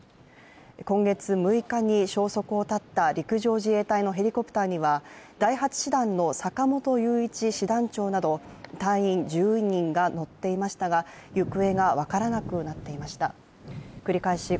今月６日に消息を絶った陸上自衛隊のヘリコプターには第８師団の坂本師団長など隊員１２人が乗っていましたが、行方が分からなくなっていました。